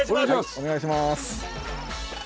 お願いします。